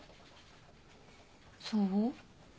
そう？